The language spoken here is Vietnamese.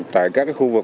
tại các khu vực